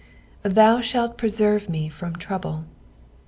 " Thou ihalt preaciie me from trouble."